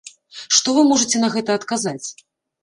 Што вы можаце на гэта адказаць?